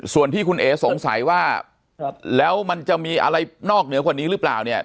ส่วนที่คุณเอ๋สงสัยว่าแล้วมันจะมีอะไรนอกเหนือกว่านี้หรือเปล่าเนี่ย